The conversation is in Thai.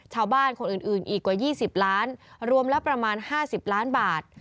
ชาวบ้านคนอื่นอีกกว่า๒๐ล้านรวมแล้วประมาณ๕๐ล้านบาท